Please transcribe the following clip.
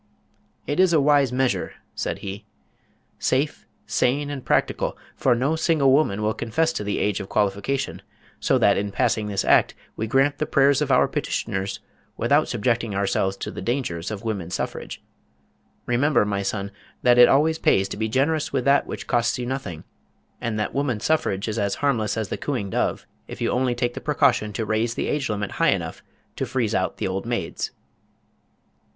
"It is a wise measure," said he. "Safe, sane and practical, for no single woman will confess to the age of qualification, so that in passing this act we grant the prayers of our petitioners without subjecting ourselves to the dangers of women's suffrage. Remember my son, that it always pays to be generous with that which costs you nothing, and that woman's suffrage is as harmless as the cooing dove if you only take the precaution to raise the age limit high enough to freeze out the old maids."